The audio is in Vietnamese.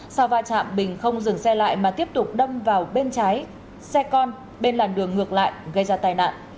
sau va chạm bình không dừng xe lại mà tiếp tục đâm vào bên trái xe con bên làn đường ngược lại gây ra tai nạn